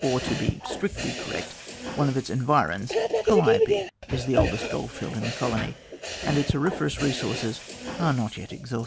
Or, to be strictly correct, one of its environs, Calliope, is the oldest goldfield in the colony, and its auriferous resources are not yet exhausted.